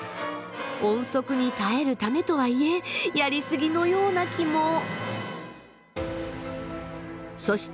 音速に耐えるためとはいえやり過ぎのような気も。